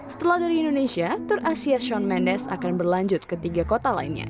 setelah dari indonesia tour asia show mendes akan berlanjut ke tiga kota lainnya